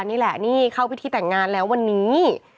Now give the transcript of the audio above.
นี่แหละนี่เข้าพิธีแต่งงานแล้ววันนี้